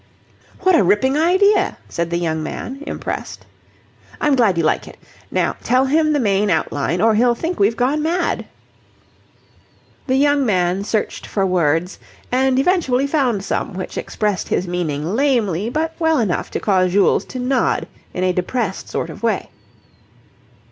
"What a ripping idea!" said the young man, impressed. "I'm glad you like it. Now tell him the main out line, or he'll think we've gone mad." The young man searched for words, and eventually found some which expressed his meaning lamely but well enough to cause Jules to nod in a depressed sort of way.